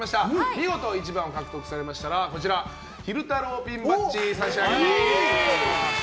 見事１番を獲得されましたら昼太郎ピンバッジ差し上げます。